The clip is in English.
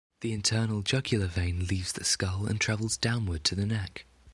The internal jugular vein leaves the skull and travels downward to the neck.